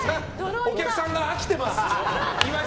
お客さんが飽きてます。